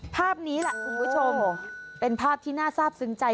ภาพนี้แหละคุณผู้ชมเป็นภาพที่น่าทราบซึ้งใจ